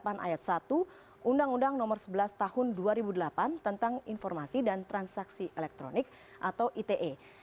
pasal dua puluh delapan ayat satu undang undang nomor sebelas tahun dua ribu delapan tentang informasi dan transaksi elektronik atau ite